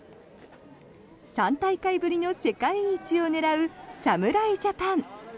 ３大会ぶりの世界一を狙う侍ジャパン。